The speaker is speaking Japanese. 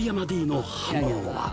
の反応は？